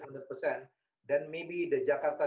mungkin perkembangan jakarta